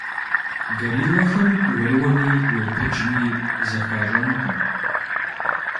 Гориллэхэм уеуэми, уепыджми, зэхащӀэнукъым.